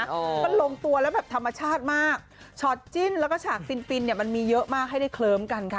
มันลงตัวแล้วแบบธรรมชาติมากช็อตจิ้นแล้วก็ฉากฟินฟินเนี่ยมันมีเยอะมากให้ได้เคลิ้มกันค่ะ